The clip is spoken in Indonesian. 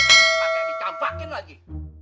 paket dicampakin lagi